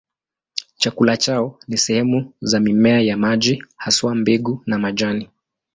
Chakula chao ni sehemu za mimea ya maji, haswa mbegu na majani.